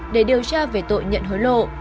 để điều tra về tội nhận hối lộ